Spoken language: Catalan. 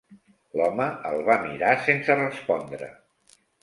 L'home el va mirar sense respondre.